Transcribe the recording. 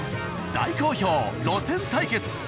大好評路線対決。